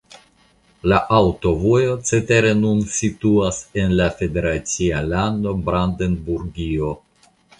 La aŭtovojo cetere nur situas en la federacia lando Brandenburgio.